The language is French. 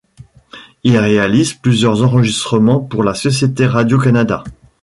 Il réalise plusieurs enregistrements pour la Société Radio-Canada.